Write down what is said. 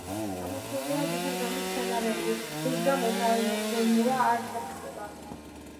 ამოსულია დიდი ზომის მცენარეები, რის გამოც აზომვა არ ხერხდება.